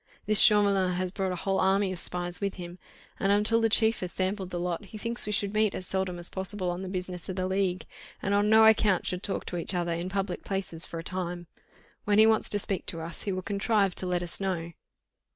This Chauvelin has brought a whole army of spies with him, and until the chief has sampled the lot, he thinks we should meet as seldom as possible on the business of the league, and on no account should talk to each other in public places for a time. When he wants to speak to us, he will contrive to let us know."